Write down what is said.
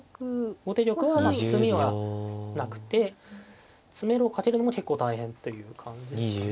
後手玉は詰みはなくて詰めろをかけるのも結構大変という感じですかね。